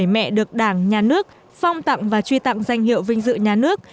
một trăm chín mươi bảy mẹ được đảng nhà nước phong tặng và truy tặng danh hiệu vinh dự nhà nước